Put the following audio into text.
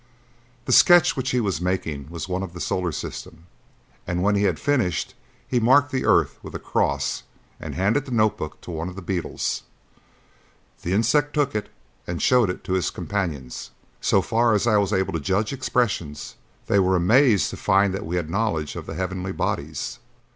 The sketch which he was making was one of the solar system, and, when he had finished, he marked the earth with a cross and handed the notebook to one of the beetles. The insect took it and showed it to his companions; so far as I was able to judge expressions, they were amazed to find that we had knowledge of the heavenly bodies.